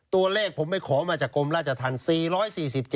ตัวเลขผมไปขอมาจากกรมราชธรรม๔๔๗